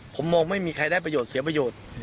ผมมองไม่มีใครได้ประโยชน์เสียประโยชน์